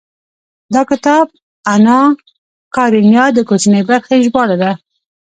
دا کتاب اناکارينينا د کوچنۍ برخې ژباړه ده.